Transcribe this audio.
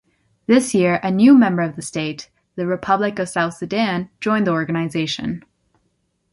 This year, a new Member State, the Republic of South Sudan, joined the Organization.